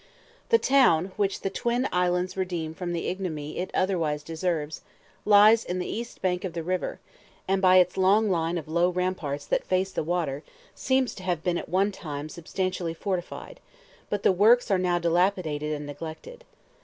The town, which the twin islands redeem from the ignominy it otherwise deserves, lies on the east bank of the river, and by its long lines of low ramparts that face the water seems to have been at one time substantially fortified; but the works are now dilapidated and neglected.